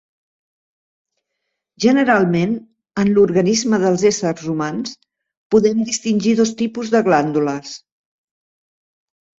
Generalment, en l'organisme dels éssers humans podem distingir dos tipus de glàndules.